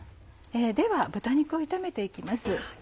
では豚肉を炒めて行きます。